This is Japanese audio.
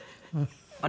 あれ？